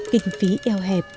kinh phí eo hẹp